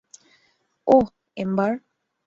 ওহ, ember.